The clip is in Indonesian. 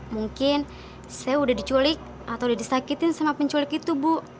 mungkin saya udah diculik atau udah disakitin sama penculik itu bu